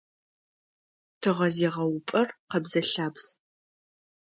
Тыгъэзегъэупӏэр къэбзэ-лъабз.